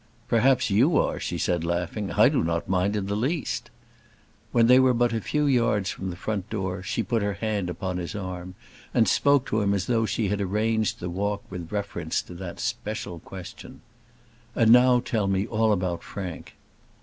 "Perhaps you are," she said laughing. "I do not mind it in the least." When they were but a few yards from the front door, she put her hand upon his arm, and spoke to him as though she had arranged the walk with reference to that special question, "And now tell me all about Frank."